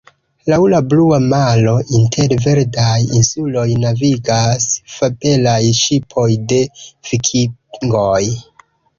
Laŭ la blua maro inter verdaj insuloj navigas fabelaj ŝipoj de vikingoj.